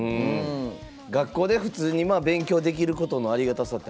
学校で普通に勉強できることのありがたさってあるよね。